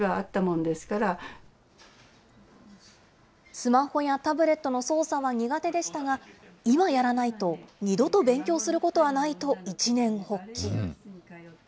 スマホやタブレットの操作は苦手でしたが、今やらないと二度と勉強することはないと、一念発起。